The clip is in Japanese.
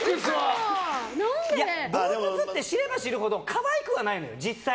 動物って知れば知るほど可愛くはないのよ、実際。